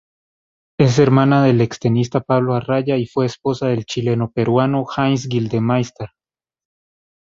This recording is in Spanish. Es hermana del extenista Pablo Arraya y fue esposa del chileno-peruano Heinz Gildemeister.